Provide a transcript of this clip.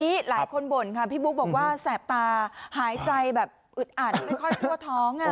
วันนี้หลายคนบ่นค่ะพี่บุ๊คบอกว่าแสบตาหายใจแบบอึดอัดไม่ค่อยทั่วท้อง